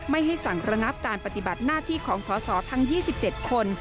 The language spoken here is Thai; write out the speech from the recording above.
ไม่ให้สั่งระงับการปฏิบัติหน้าที่ของสสทั้ง๒๗คน